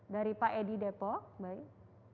dari pak edi depok baik